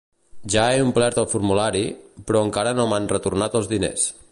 Ja he omplert el formulari, però encara no m'han retornat els diners.